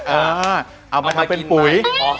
เอามาทำเป็นปุ๋ย